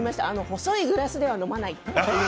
細いグラスでは飲まない。